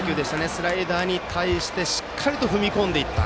スライダーに対してしっかりと踏み込んでいった。